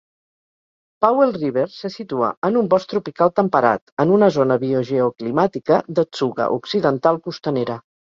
Powell River se situa en un bosc tropical temperat, en una zona biogeoclimàtica de tsuga occidental costanera.